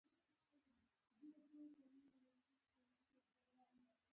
خان زمان وویل: نه، داسې نه شي کېدای، دروازه بنده نه کړم.